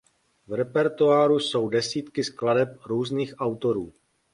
V repertoáru jsou desítky skladeb různých autorů.